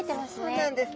そうなんです。